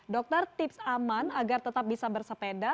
dokter tips aman agar tetap bisa bersepeda